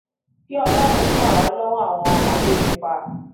Kí ọlọ́run gbà wá lọ́wọ́ àwọn agbénipa.